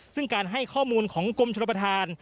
ซึ่งการให้ข้อมูลของกรมชนประธาน